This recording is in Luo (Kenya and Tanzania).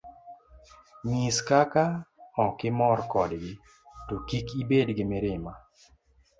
Nyis kaka okimor kodgi, to kik ibed gi mirima.